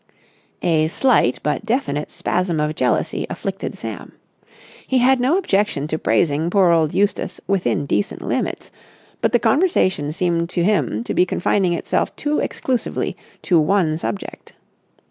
A slight but definite spasm of jealousy afflicted Sam. He had no objection to praising poor old Eustace within decent limits, but the conversation seemed to him to be confining itself too exclusively to one subject.